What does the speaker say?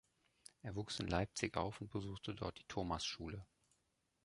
Er wuchs in Leipzig auf und besuchte dort die Thomasschule.